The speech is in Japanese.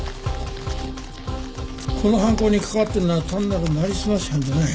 この犯行に関わってるのは単なる成り済まし犯じゃない。